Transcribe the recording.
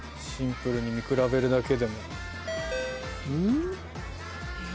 シンプルに見比べるだけでも。